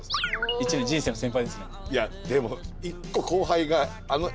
１年人生の先輩ですね。